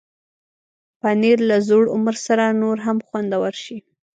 پنېر له زوړ عمر سره نور هم خوندور شي.